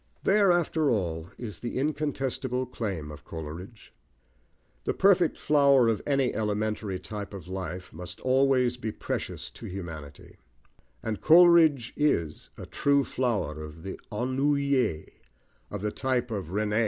There, after all, is the incontestable claim of Coleridge. The perfect flower of any elementary type of life must always be precious to humanity, and Coleridge is a true flower of the ennuyé, of the type of René.